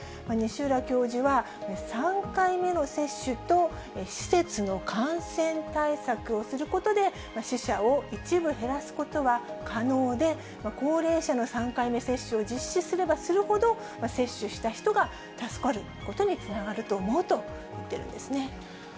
西浦教授は、３回目の接種と施設の感染対策をすることで、死者を一部減らすことは可能で、高齢者の３回目接種を実施すればするほど、接種した人が助かることにつながると思うと言っているんですね。